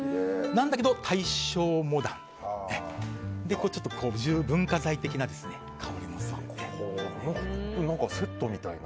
なんだけど、大正モダンでちょっと文化財的な香りもするという。